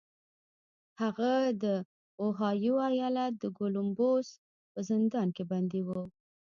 هغه د اوهایو ایالت د کولمبوس په زندان کې بندي و